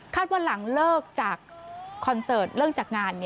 ว่าหลังเลิกจากคอนเสิร์ตเลิกจากงาน